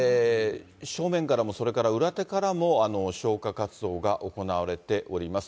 正面からも、それから裏手からも、消火活動が行われております。